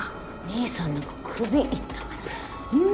兄さんなんか首いったからね。